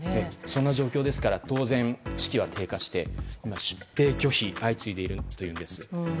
そんな状況ですから当然、士気は低下して今、出兵拒否が相次いでいるというんです。